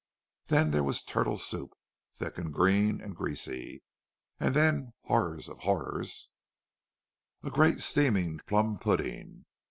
Then there was a turtle soup, thick and green and greasy; and then—horror of horrors—a great steaming plum pudding.